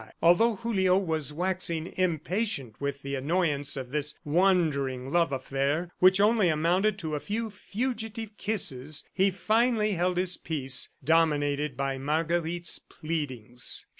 Although Julio was waxing impatient with the annoyance of this wandering love affair which only amounted to a few fugitive kisses, he finally held his peace, dominated by Marguerite's pleadings.